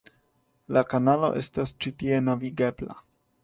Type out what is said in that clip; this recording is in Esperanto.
La kanalo estas ĉi tie navigebla.